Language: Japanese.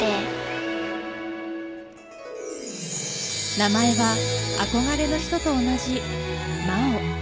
名前は憧れの人と同じまお。